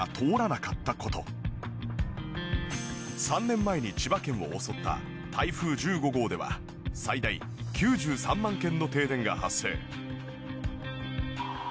３年前に千葉県を襲った台風１５号では最大９３万軒の停電が発生。